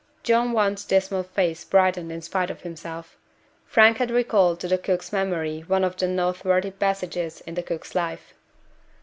John Want's dismal face brightened in spite of himself. Frank had recalled to the cook's memory one of the noteworthy passages in the cook's life.